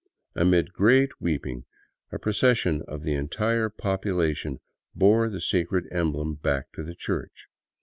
Amid great weeping, a procession of the entire population bore the sacred emblem back to its church.